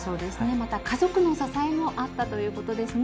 また家族の支えもあったということですね。